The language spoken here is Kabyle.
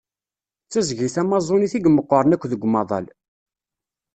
D tiẓgi Tamaẓunit i imeqqren akk deg umaḍal.